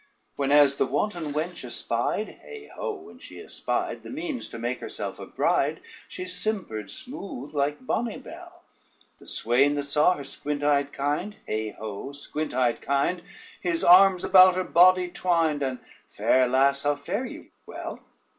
Whenas the wanton wench espied, heigh ho, when she espied! The means to make herself a bride, she simpered smooth like Bonnybell: The swain, that saw her squint eyed kind, heigh ho, squint eyed kind! His arms about her body twined, and: "Fair lass, how fare ye, well?"